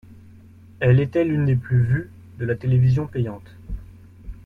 Elle était l'une des plus vues de la télévision payante.